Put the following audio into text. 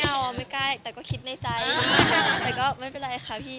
ไม่เอาไม่ง่ายแต่ก็คิดในใจแต่ก็ไม่เป็นไรใช่ไหมพี่